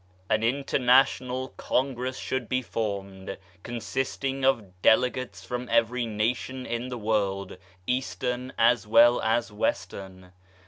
An international Congress should be formed, consisting of delegates from every nation in the world, Eastern as well as Western.